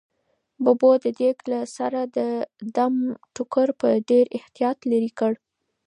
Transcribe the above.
ببو د دېګ له سره د دم ټوکر په ډېر احتیاط لیرې کړ.